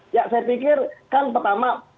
ya saya pikir kan pertama